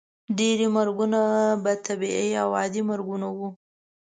ډیری مرګونه به طبیعي او عادي مرګونه وو.